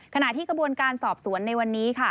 ขณะที่กระบวนการสอบสวนในวันนี้ค่ะ